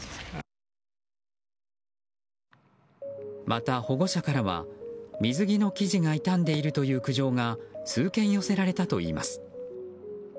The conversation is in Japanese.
また、保護者からは水着の生地が傷んでいるという苦情が数件、寄せられたといいます。